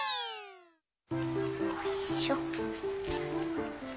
おいしょ。